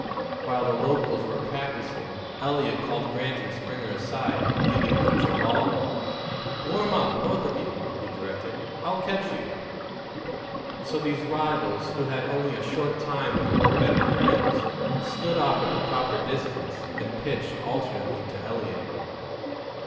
While the locals were practicing Eliot called Grant and Springer aside, giving each a ball. "Warm up, both of you," he directed. "I'll catch you." So these rivals, who had only a short time before been friends, stood off at the proper distance and pitched alternately to Eliot.